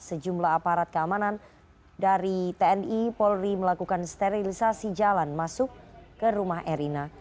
sejumlah aparat keamanan dari tni polri melakukan sterilisasi jalan masuk ke rumah erina